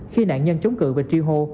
khi nạn nhân chống cự về tri hô